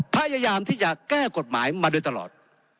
พยายามที่อยากแก้กฎหมายมาด้วยตลอด